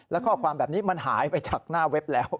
และข้อความแบบนี้มันหายไปจากหน้าเว็บแล้ว